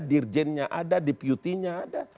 dirjennya ada deputinya ada